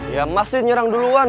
ya masih nyerang duluan